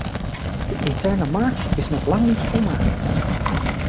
De interne markt is nog lang niet volmaakt.